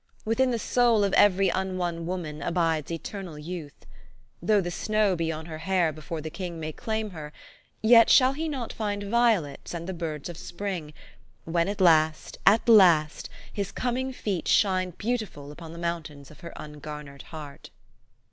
Within the soul of every unwon woman abides eternal youth. Though the snow be on her hair before the King may claim her, yet shall he not find violets and the birds of spring, when at last, at last, his coming feet shine beautiful upon the mountains of her ungarnered heart